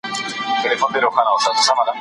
تزار د کتان اوبدلو د فابريکې جوړولو فکر وکړ.